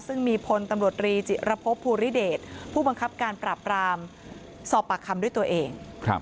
ซึ่งมีพลตำรวจรีจิระพบภูริเดชผู้บังคับการปราบรามสอบปากคำด้วยตัวเอง